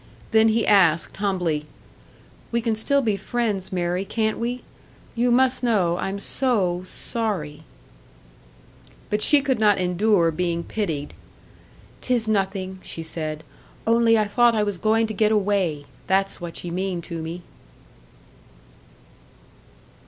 Then he asked, humbly, "We can still be friends, Mary, can't we? You must know I'm so sorry!" But she could not endure being pitied. "'Tis nothin'," she said. "Only I thought I was going to get away! That's what ye mean to me."